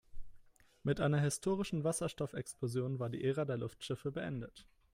Mit einer historischen Wasserstoffexplosion war die Ära der Luftschiffe beendet.